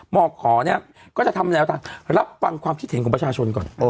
หมอขอเนี่ยก็จะทำแนวทางรับฟังความคิดเห็นของประชาชนก่อน